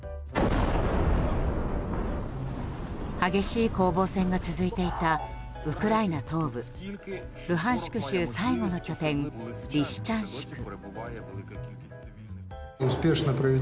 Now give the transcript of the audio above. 激しい攻防戦が続いていたウクライナ東部ルハンシク州最後の拠点リシチャンシク。